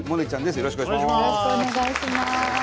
よろしくお願いします。